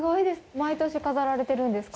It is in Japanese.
毎年飾られてるんですか。